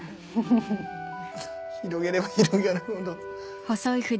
広げれば広げるほど。